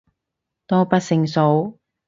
多不勝數